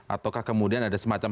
atau kemudian ada semacam